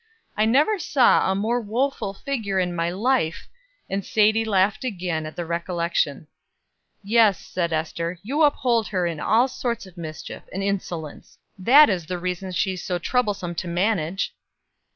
I never saw a more woeful figure in my life;" and Sadie laughed again at the recollection. "Yes," said Ester, "you uphold her in all sorts of mischief and insolence; that is the reason she is so troublesome to manage."